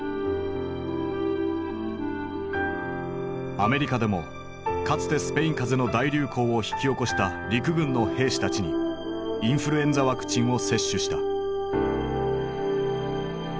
アメリカでもかつてスペイン風邪の大流行を引き起こした陸軍の兵士たちにインフルエンザワクチンを接種した。